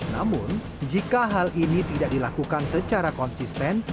namun jika hal ini tidak dilakukan secara konsisten